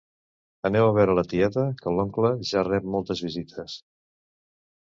Aneu a veure la tieta, que l'oncle ja rep moltes visites